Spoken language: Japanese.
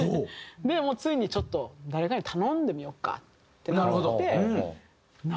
ついにちょっと誰かに頼んでみようか？ってなって。